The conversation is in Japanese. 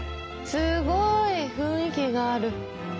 すごい雰囲気がある。